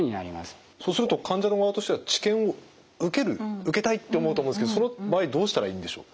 そうすると患者の側としては治験を受ける受けたいって思うと思うんですけどその場合どうしたらいいんでしょう？